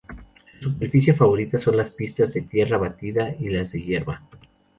Su superficie favorita son las pistas de tierra batida y las de hierba.